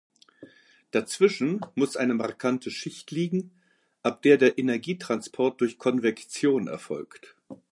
Dazwischen muss eine markante Schicht liegen, ab der der Energietransport durch Konvektion erfolgt.